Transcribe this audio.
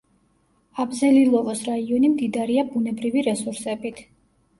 აბზელილოვოს რაიონი მდიდარია ბუნებრივი რესურსებით.